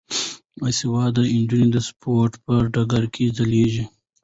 باسواده نجونې د سپورت په ډګر کې ځلیږي.